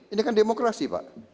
ini kan demokrasi pak